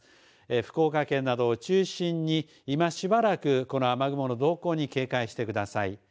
福岡県などを中心に今しばらく、この雨雲の動向に警戒してください。